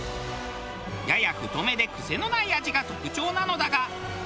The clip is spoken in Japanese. やや太めで癖のない味が特徴なのだが。